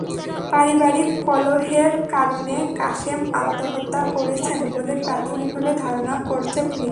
পারিবারিক কলহের কারণে কাশেম আত্মহত্যা করেছেন বলে প্রাথমিকভাবে ধারণা করছে পুলিশ।